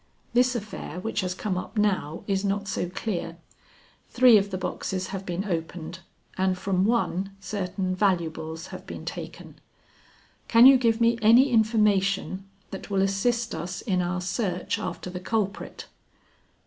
This affair which has come up now, is not so clear. Three of the boxes have been opened, and from one certain valuables have been taken. Can you give me any information that will assist us in our search after the culprit?"